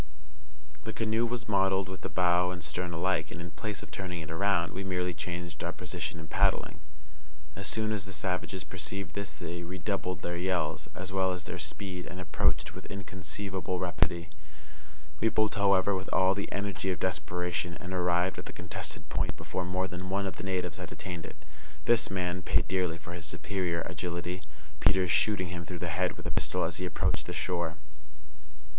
The canoe was modelled with the bow and stern alike, and, in place of turning it around, we merely changed our position in paddling. As soon as the savages perceived this they redoubled their yells, as well as their speed, and approached with inconceivable rapidity. We pulled, however, with all the energy of desperation, and arrived at the contested point before more than one of the natives had attained it. This man paid dearly for his superior agility, Peters shooting him through the head with a pistol as he approached the shore.